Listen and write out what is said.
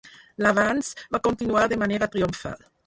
L'avanç va continuar de manera triomfal.